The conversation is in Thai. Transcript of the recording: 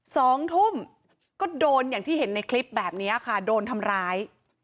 สองทุ่มก็โดนอย่างที่เห็นในคลิปแบบนี้ค่ะโดนทำร้าย